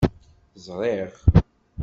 Ẓṛiɣ.